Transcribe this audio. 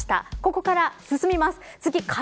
ここから進みます。